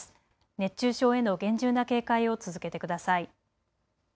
熱中症への厳重な警戒を続けてください。